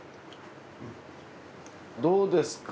どうですか？